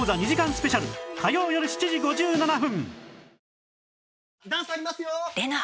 スペシャル火曜よる７時５７分